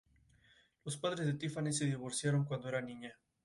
Tintín regresa a casa, y descubre que el barco ha desaparecido.